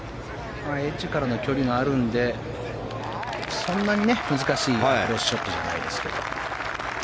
エッジからの距離があるのでそんなに難しいショットじゃないですけど。